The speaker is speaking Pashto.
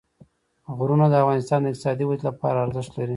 غرونه د افغانستان د اقتصادي ودې لپاره ارزښت لري.